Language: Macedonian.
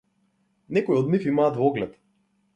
Некои од нив имаа двоглед.